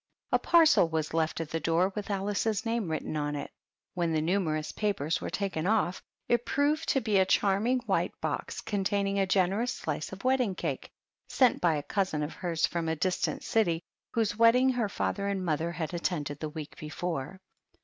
A parcel was left at the door with Alice's name written on it. When the numerous papers were taken off, it proved to be a charming white box containing a generous slice of wedding cake, sent by a cousin of hers from a distant city, whose wedding her father and mother had attended the week before.